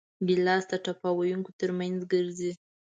ګیلاس د ټپه ویونکو ترمنځ ګرځي.